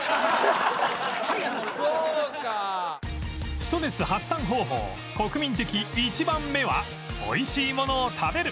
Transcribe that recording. ストレス発散方法国民的１番目はおいしいものを食べる